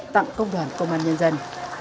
tặng công đoàn công an nhân dân